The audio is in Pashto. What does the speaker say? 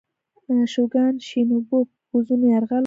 شوګان شینوبو پر پوځونو یرغل وکړ.